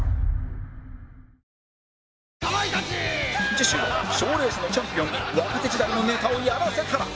次週賞レースのチャンピオンに若手時代のネタをやらせたら？